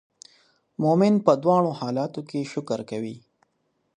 مؤمن په دواړو حالاتو کې شکر کوي.